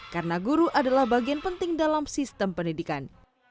karena guru adalah bagian penting dalam sistem pendidikan